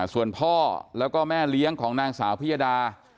ส่วนพ่อแล้วก็แม่เลี้ยงของนางสาวพิยดา